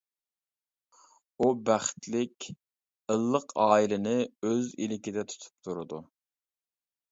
ئۇ بەختلىك، ئىللىق ئائىلىنى ئۆز ئىلكىدە تۇتۇپ تۇرىدۇ.